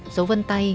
dấu vân tay